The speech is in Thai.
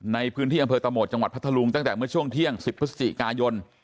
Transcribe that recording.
ในพื้นที่อำเภอตะโหมดจังหวัดพัทธลุงตั้งแต่เมื่อช่วงเที่ยง๑๐พฤศจิกายน